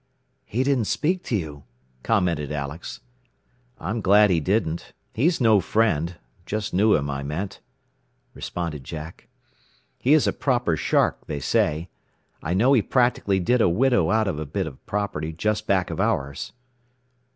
"He didn't speak to you," commented Alex. "I'm glad he didn't. He's no friend; just knew him, I meant," responded Jack. "He is a proper shark, they say. I know he practically did a widow out of a bit of property just back of ours.